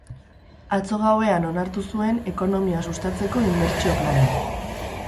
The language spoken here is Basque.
Atzo gauean onartu zuen ekonomia sustatzeko inbertsio plana.